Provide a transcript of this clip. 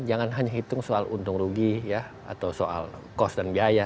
jangan hanya hitung soal untung rugi atau soal kos dan biaya